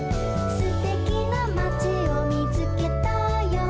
「すてきなまちをみつけたよ」